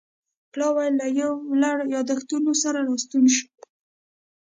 پلاوی له یو لړ یادښتونو سره راستون شو